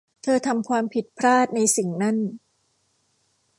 เธอทำความผิดพลาดในสิ่งนั่น